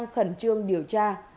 khẩn trương điều tra